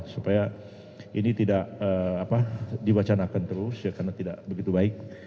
supaya ini tidak dibacanakan terus karena tidak begitu baik